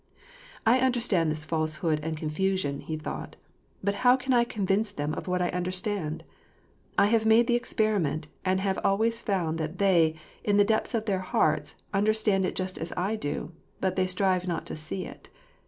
" I understand this falsehood and confusion," he thought. " But how can I convince them of what I understand ? I have made the experiment, and have always found that they, in the depths of their hearts, understand it just as I do; but they strive not to see it.